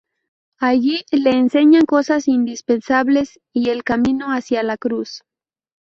Allí, le enseñan cosas indispensables y el camino hacia la cruz.